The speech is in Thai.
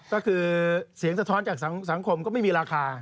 ก็คือเสียงสะท้อนจากสังคมก็ไม่มีราคา